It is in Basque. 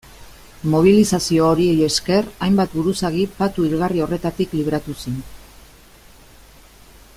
Mobilizazio horiei esker hainbat buruzagi patu hilgarri horretatik libratu zen.